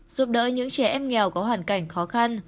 giúp đỡ những trẻ em nghèo có hoàn cảnh khó khăn